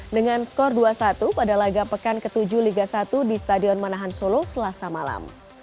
dengan skor dua satu pada laga pekan ke tujuh liga satu di stadion manahan solo selasa malam